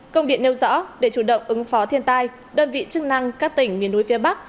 công điện nêu rõ để chủ động ứng phó thiên tai đơn vị chức năng các tỉnh miền núi phía bắc